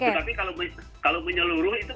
tapi kalau menyeluruh itu pasti